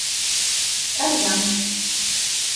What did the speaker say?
— Тарваныш!